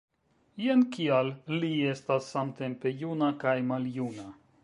Jen kial li estas samtempe juna kaj maljuna.